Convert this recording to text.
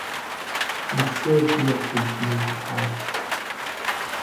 Instead, he opted to move to Paris.